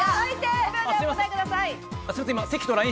５秒でお答えください。